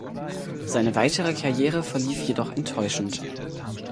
Seine weitere Karriere verlief jedoch enttäuschend.